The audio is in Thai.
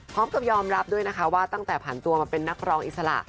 พร้อมกับยอมรับด้วยนะคะว่าตั้งแต่ผ่านตัวมาเป็นนักร้องอิสระ